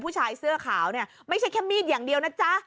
ผู้ชายเสื้อขาวเนี่ยไม่ใช่แค่มีดอย่างเดียวนะจ๊ะ